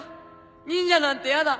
忍者なんてやだ。